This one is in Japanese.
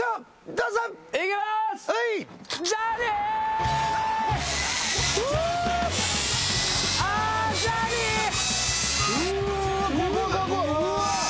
うわ！